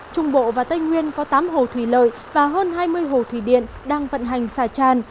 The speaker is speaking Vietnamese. trung bộ và tây nguyên có tám hồ thủy lợi và hơn hai mươi hồ thủy điện đang vận hành xả tràn